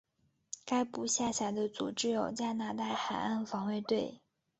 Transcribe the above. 该部下辖的组织有加拿大海岸防卫队。